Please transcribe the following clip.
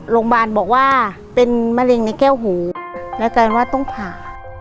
โรงพยาบาลบอกว่าเป็นมะเร็งในแก้วหูแล้วกลายเป็นว่าต้องผ่า